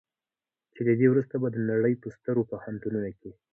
چې له دې وروسته به د نړۍ په سترو پوهنتونونو کې.